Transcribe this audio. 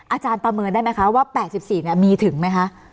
อาจารย์ประเมินได้ไหมคะว่า๘๔มีถึงไหมคะ